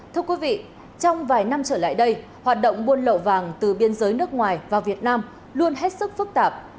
thưa quý vị trong vài năm trở lại đây hoạt động buôn lậu vàng từ biên giới nước ngoài vào việt nam luôn hết sức phức tạp